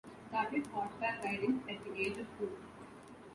She started horseback riding at the age of two.